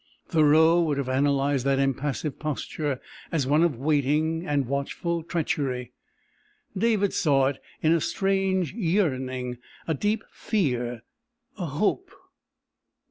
Thoreau would have analyzed that impassive posture as one of waiting and watchful treachery; David saw in it a strange yearning, a deep fear, a hope.